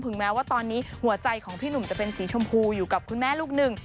แม้ว่าตอนนี้หัวใจของพี่หนุ่มจะเป็นสีชมพูอยู่กับคุณแม่ลูกหนึ่ง